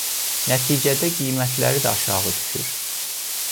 Nəticədə qiymətləri də aşağı düşür.